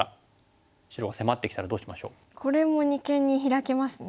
これも二間にヒラけますね。